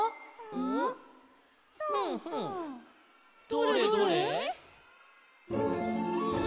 どれどれ？